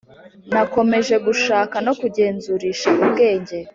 nakomeje gushaka no kugenzurish ubwenge